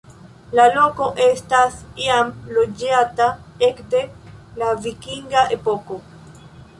La loko estas jam loĝata ekde la vikinga epoko.